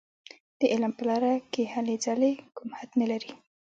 د علم په لاره کې هلې ځلې کوم حد نه لري.